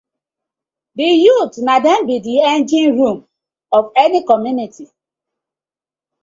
Di youths na dem bi di engine room of any community.